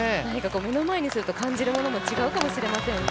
目の前にすると感じるものも違うかもしれませんね。